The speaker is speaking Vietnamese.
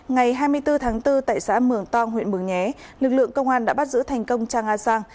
ngày hai mươi bốn tháng bốn tại xã mường tong huyện mường nhé lực lượng công an đã bắt giữ thành công cha nga sang